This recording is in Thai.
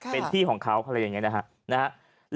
เป็นที่ของเขาอะไรอย่างนี้นะครับ